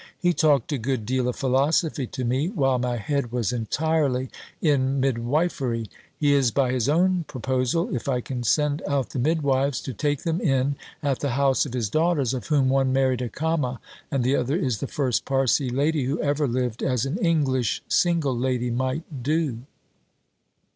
He talked a good deal of Philosophy to me, while my head was entirely in Midwifery! He is (by his own proposal), if I can send out the Midwives, to take them in at the house of his daughters, of whom one married a Cama, and the other is the first Parsee lady who ever lived as an English single lady might do."